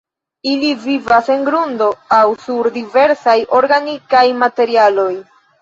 Ili vivas en grundo aŭ sur diversaj organikaj materialoj.